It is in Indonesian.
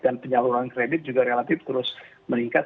dan penyaluran kredit juga relatif terus meningkat